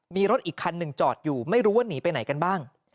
มีรถอีกคันหนึ่งจอดอยู่ไม่รู้ว่าหนีไปไหนกันบ้าง